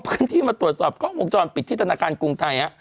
พื้นที่มาตรวจสอบกล้องวงจรปิดที่ธนาคารกรุงไทยฮะ